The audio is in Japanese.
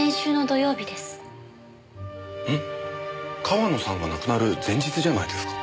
川野さんが亡くなる前日じゃないですか。